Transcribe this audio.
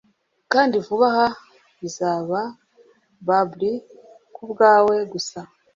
Kandi vuba aha bizaba bubblin 'kubwawe gusa